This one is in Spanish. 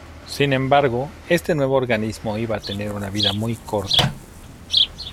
Sin embargo, este nuevo organismo iba a tener una vida muy corta.